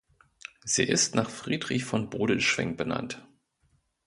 Sie ist nach Friedrich von Bodelschwingh benannt.